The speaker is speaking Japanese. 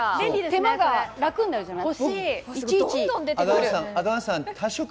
手間が楽になるじゃない。